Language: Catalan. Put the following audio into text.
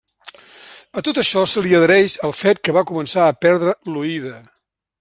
A tot això se li adhereix el fet que va començar a perdre l’oïda.